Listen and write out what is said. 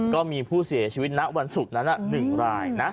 ก็มีผู้เสียชีวิตณวันศุกร์นั้น๑รายนะ